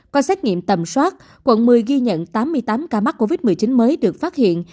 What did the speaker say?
qua xét nghiệm tầm soát quận một mươi ghi nhận tám mươi tám ca mắc covid một mươi chín mới được phát hiện